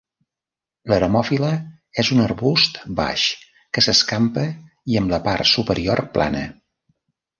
L'eremophila és un arbust baix que s'escampa i amb la part superior plana.